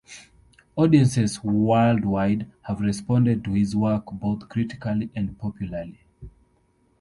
Audiences worldwide have responded to his work both critically and popularly.